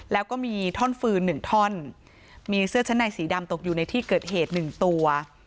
แล้วก็มีท่อนฟืนหนึ่งท่อนมีเสื้อชั้นในสีดำตกอยู่ในที่เกิดเหตุหนึ่งตัว